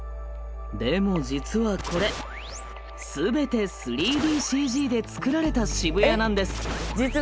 でも実はこれ全て３ＤＣＧで作られた渋谷なんです。